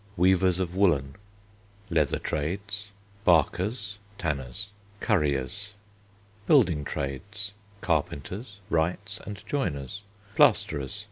Weavers of woollen. Leather Trades: Barkers (tanners). Curriers. Building Trades: Carpenters, wrights and joiners. Plasterers.